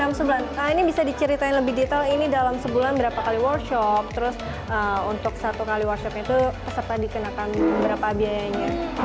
nah ini bisa diceritain lebih detail ini dalam sebulan berapa kali workshop terus untuk satu kali workshop itu peserta dikenakan berapa biayanya